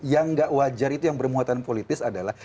yang nggak wajar itu yang bermuatan politis adalah